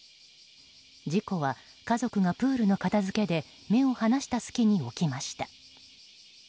事故は家族がプールの片づけで目を離した隙に起きました。